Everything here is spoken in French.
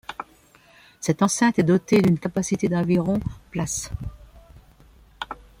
Cette enceinte est dotée d'une capacité d'environ places.